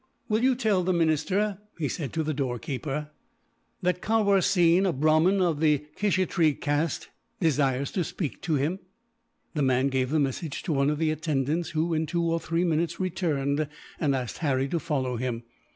"Will you tell the minister," he said to the doorkeeper, "that Kawerseen, a Brahmin of the Kshittree caste, desires to speak to him?" The man gave the message to one of the attendants who, in two or three minutes, returned and asked Harry to follow him.